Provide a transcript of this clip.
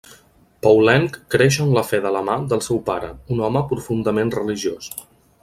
Poulenc creix en la fe de la mà del seu pare, un home profundament religiós.